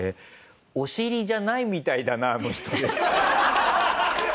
お尻じゃないみたいだなの人です。